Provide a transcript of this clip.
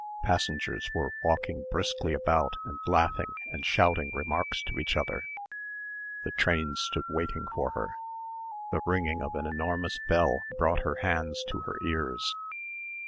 Passengers were walking briskly about and laughing and shouting remarks to each other. The train stood waiting for her. The ringing of an enormous bell brought her hands to her ears.